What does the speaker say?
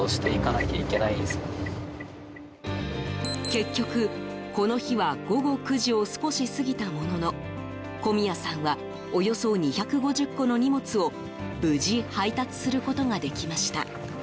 結局、この日は午後９時を少し過ぎたものの小宮さんはおよそ２５０個の荷物を無事配達することができました。